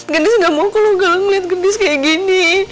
gendis gak mau kalau galang ngeliat gendis kayak gini